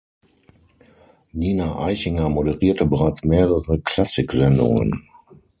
Nina Eichinger moderierte bereits mehrere Klassik-Sendungen.